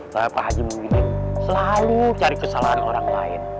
kenapa pak haji muhyiddin selalu cari kesalahan orang lain